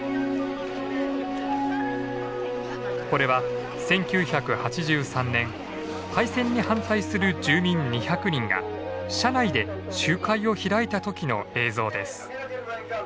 これは１９８３年廃線に反対する住民２００人が車内で集会を開いた時の映像です。